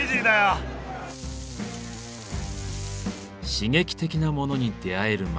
刺激的なモノに出会える街